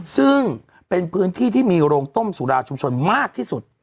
ซึ่งเป็นพื้นที่ที่มีโรงต้มสุราชุมชนมากที่สุด